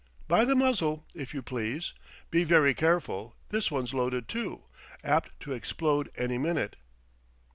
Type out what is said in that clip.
"By the muzzle, if you please. Be very careful; this one's loaded, too apt to explode any minute."